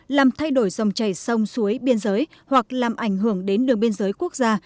làm thay đổi dòng chảy sông suối biên giới hoặc làm ảnh hưởng đến đường biên giới quốc gia